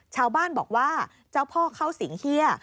ชาวบ้านบอกว่าเจ้าพ่อเข้าสิงเฮีย